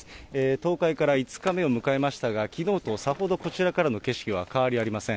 倒壊から５日目を迎えましたが、きのうとさほどこちらからの景色は変わりありません。